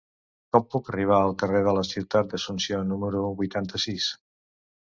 Com puc arribar al carrer de la Ciutat d'Asunción número vuitanta-sis?